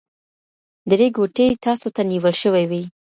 درې ګوتې تاسو ته نیول شوي وي.